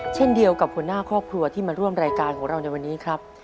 เช่นเดียวกับหัวหน้าครอบครัวที่มาร่วมรายการของเราในวันนี้ครับ